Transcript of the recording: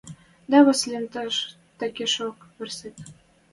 Дӓ Васлим такешок вырсет...